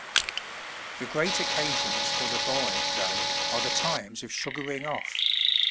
The great occasions for the boy, though, are the times of "sugaring off.'